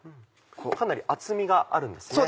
かなり厚みがあるんですね。